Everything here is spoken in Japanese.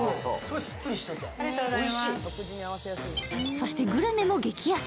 そして、グルメも激安。